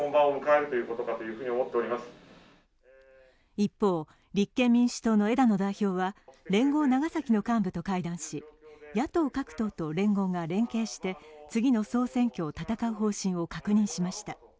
一方、立憲民主党の枝野代表は連合長崎の幹部と会談し、野党各党と連合が連携して次の総選挙を戦う方針を確認しました。